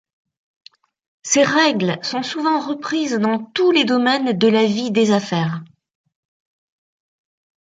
Ces règles sont souvent reprises dans tous les domaines de la vie des affaires.